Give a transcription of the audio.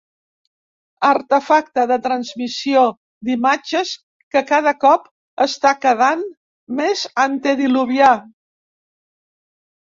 Artefacte de transmissió d'imatges que cada cop està quedant més antediluvià.